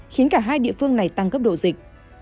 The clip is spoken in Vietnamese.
khiến cả hai địa phương này tăng cấp độ dịch